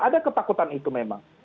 ada ketakutan itu memang